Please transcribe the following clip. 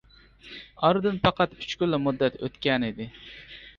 ئارىدىن پەقەت ئۈچ كۈنلا مۇددەت ئۆتكەنىدى.